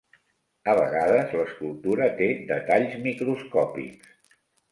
A vegades l'escultura té detalls microscòpics.